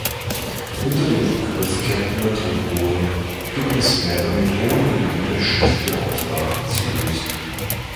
Unter dem Begriff „Kepner-Tregoe“ gibt es mehrere Methoden um unterschiedliche „Aufgaben“ zu lösen.